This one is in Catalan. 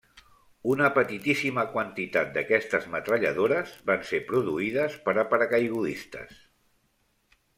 Una petitíssima quantitat d'aquestes metralladores van ser produïdes per a paracaigudistes.